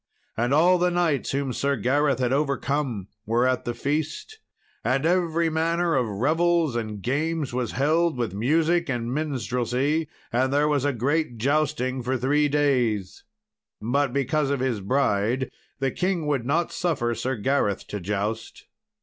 And all the knights whom Sir Gareth had overcome were at the feast; and every manner of revels and games was held with music and minstrelsy. And there was a great jousting for three days. But because of his bride the king would not suffer Sir Gareth to joust.